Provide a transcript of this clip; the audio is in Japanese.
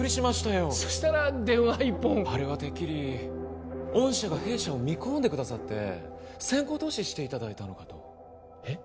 よそしたら電話一本あれはてっきり御社が弊社を見込んでくださって先行投資していただいたのかとえっ